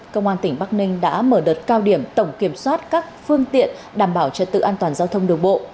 công an tỉnh bắc ninh đã mở đợt cao điểm tổng kiểm soát các phương tiện đảm bảo trật tự an toàn giao thông đường bộ